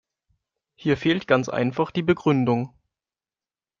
Hier fehlt ganz einfach die Begründung.